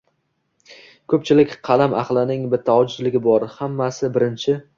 Ko’pchilik qalam ahlining bitta ojizligi bor: hammasi-“birinchi”!